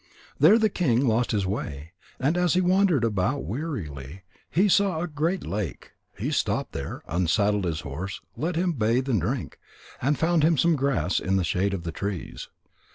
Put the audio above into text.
There the king lost his way, and as he wandered about wearily, he saw a great lake. He stopped there, unsaddled his horse, let him bathe and drink, and found him some grass in the shade of the trees.